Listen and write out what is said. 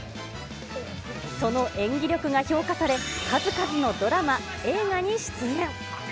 その演技力が評価され、数々のドラマ、映画に出演。